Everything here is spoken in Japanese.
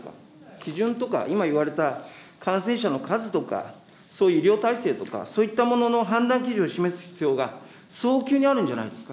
基準とか、今言われた感染者の数とか、そういう医療体制とか、そういったものの判断基準を示す必要が、早急にあるんじゃないですか。